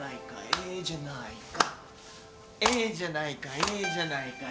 「ええじゃないかええじゃないかええじゃないか」